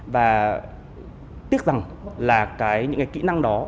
và tiếc rằng là những cái kỹ năng đó